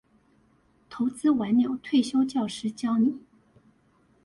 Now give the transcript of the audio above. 投資晚鳥退休教師教你